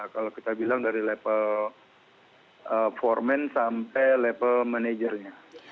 kalau kita bilang dari level foreman sampai level managernya